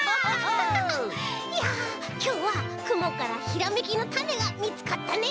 いやきょうはくもからひらめきのタネがみつかったね。